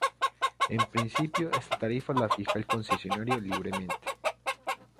En principio, esta tarifa la fija el concesionario libremente.